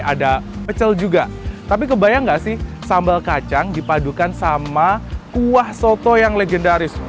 ada pecel juga tapi kebayang gak sih sambal kacang dipadukan sama kuah soto yang legendaris